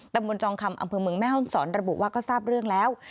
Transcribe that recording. ตำบลจองคำอำเภอเมืองแม่ฮ่องศรระบุว่าก็ทราบสิ้นเรื่องแล้ว